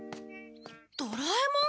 ドラえもん？